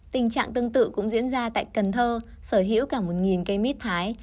tình trạng tương tự cũng diễn ra tại cần thơ sở hữu cả một cây mít thái